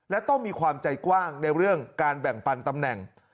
และต้องมีความใจกว้างในเรื่องการแบ่งปันตำแหน่ง